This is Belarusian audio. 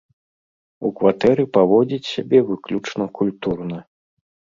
У кватэры паводзіць сябе выключна культурна.